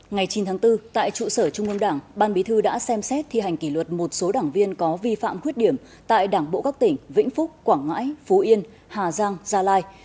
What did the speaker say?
ngày chín tháng bốn tại trụ sở trung ương đảng ban bí thư đã xem xét thi hành kỷ luật một số đảng viên có vi phạm khuyết điểm tại đảng bộ các tỉnh vĩnh phúc quảng ngãi phú yên hà giang gia lai